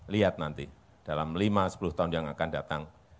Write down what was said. lihat nanti dalam lima sepuluh tahun yang akan datang